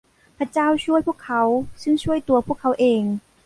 พระเจ้าช่วยพวกเขา ซึ่งช่วยตัวพวกเขาเอง